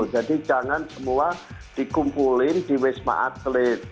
jangan semua dikumpulin di wisma atlet